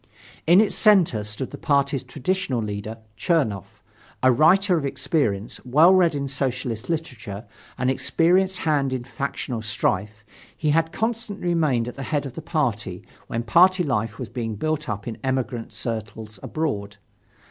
In its center stood the party's traditional leader, Chernoff. A writer of experience, well read in socialist literature, an experienced hand in factional strife, he had constantly remained at the head of the party, when party life was being built up in emigrant circles abroad.